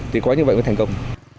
thì có như vậy mới thành công